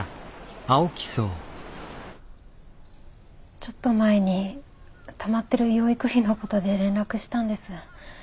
ちょっと前にたまってる養育費のことで連絡したんです。